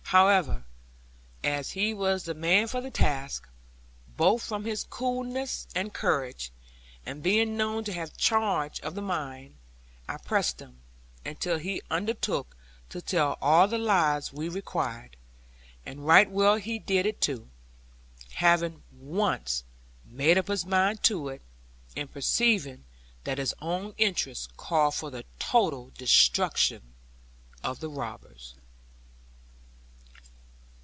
However, as he was the man for the task, both from his coolness and courage, and being known to have charge of the mine, I pressed him, until he undertook to tell all the lies we required. And right well he did it too, having once made up his mind to it; and perceiving that his own interests called for the total destruction of the robbers.